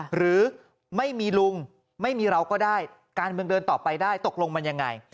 หรือไม่มีลุงไม่มีเราก็ได้การเมืองเดินต่อไปได้ตกลงมันยังไง